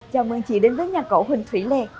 chào mừng chị đến với nhà cổ quỳnh thủy lê